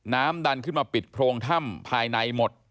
ดันขึ้นมาปิดโพรงถ้ำภายในหมด